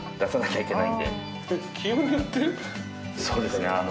そうですね。